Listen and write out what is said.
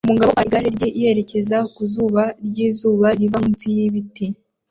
Umugabo utwara igare rye yerekeza ku zuba ryizuba riva munsi yibiti